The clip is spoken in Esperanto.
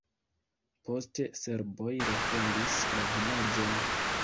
Poste serboj refondis la vilaĝon.